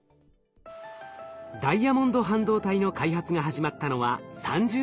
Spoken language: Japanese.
ダイヤモンド半導体の開発が始まったのは３０年ほど前。